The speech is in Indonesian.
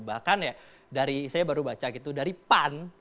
bahkan ya dari saya baru baca gitu dari pan